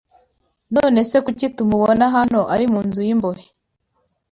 None se kuki tumubona hano ari mu nzu y’imbohe